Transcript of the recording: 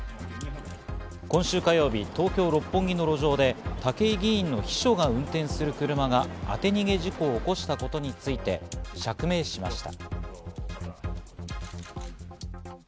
今週火曜日、東京・六本木の路上で武井議員の秘書が運転する車が当て逃げ事故を起こしたことについて釈明しました。